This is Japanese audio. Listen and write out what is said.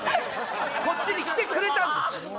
こっちに来てくれたんです。